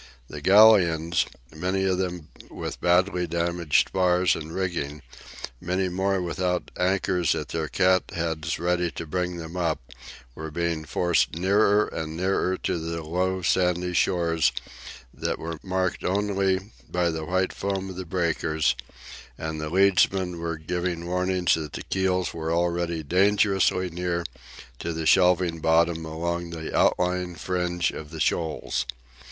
The galleons, many of them with badly damaged spars and rigging, many more without anchors at their cat heads ready to bring them up, were being forced nearer and nearer to the low sandy shores that were marked only by the white foam of the breakers, and the leadsmen were giving warning that the keels were already dangerously near to the shelving bottom along the outlying fringe of shoals.